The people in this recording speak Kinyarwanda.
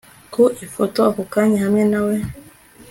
ku ifoto ako kanya hamwe na we